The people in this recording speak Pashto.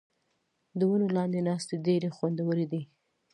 د ونو لاندې ناستې ډېرې خوندورې دي.